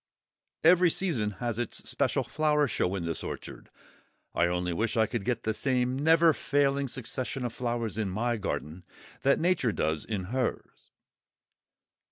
Every season has its special flower show in this orchard. I only wish I could get the same never failing succession of flowers in my garden that Nature does in hers.